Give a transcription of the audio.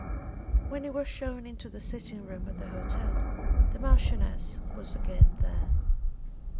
When he was shown into the sitting room at the hotel, the Marchioness was again there.